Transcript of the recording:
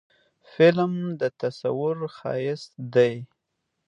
فلم د تصور ښایست دی